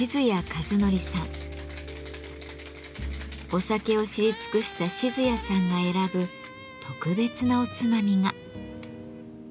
お酒を知り尽くした静谷さんが選ぶ特別なおつまみが。